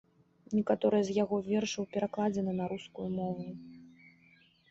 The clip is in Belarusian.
Некаторыя з яго вершаў перакладзены на рускую мову.